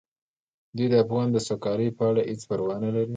دوی د افغان د سوکالۍ په اړه هیڅ پروا نه لري.